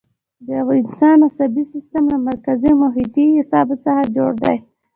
د انسان عصبي سیستم له مرکزي او محیطي اعصابو څخه جوړ دی.